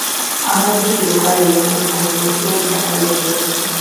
আমরা তো চিরকাল এইরকম কোণে বসিয়াই কাটাইয়া দিয়াছি।